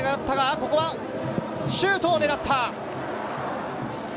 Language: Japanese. ここはシュート狙った！